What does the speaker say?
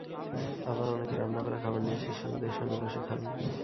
আবার অনেকে রান্না করা খাবার নিয়ে এসে শিশুদের সঙ্গে বসে খান।